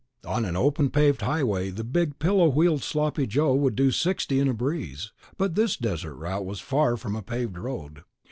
On an open paved highway the big pillow wheeled Sloppy Joe would do sixty in a breeze, but this desert route was far from a paved road.